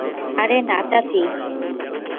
আরে না চাচী।